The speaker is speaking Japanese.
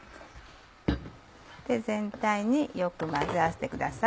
全体によく混ぜ合わせてください。